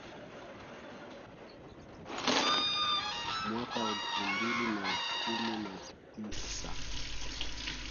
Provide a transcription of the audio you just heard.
mwaka elfu mbili na kumi na tisa